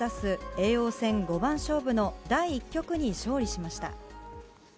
叡王戦五番勝負の第１局に勝利しました。